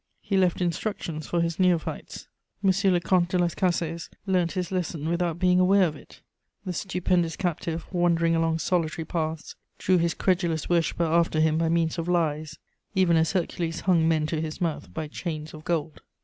He left instructions for his neophytes: M. le Comte de Las Cases learnt his lesson without being aware of it; the stupendous captive, wandering along solitary paths, drew his credulous worshipper after him by means of lies, even as Hercules hung men to his mouth by chains of gold.